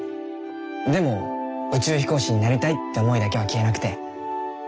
でも宇宙飛行士になりたいって思いだけは消えなくて。